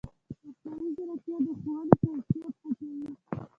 مصنوعي ځیرکتیا د ښوونې کیفیت ښه کوي.